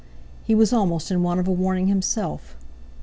He was almost in want of a warning himself.